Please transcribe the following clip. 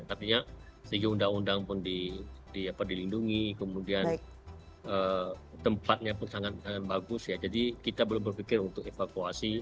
tapi ya sehingga undang undang pun di apa dilindungi kemudian tempatnya pun sangat sangat bagus ya jadi kita belum berpikir untuk evakuasi